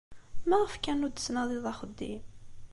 Maɣef kan ur d-tettnadiḍ axeddim?